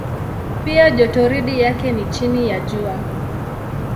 Pia jotoridi yake ni chini ya Jua.